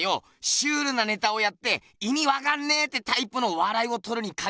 シュールなネタをやって「いみわかんねえ」ってタイプのわらいをとるにかぎっぺな。